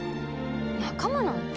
仲間なんて。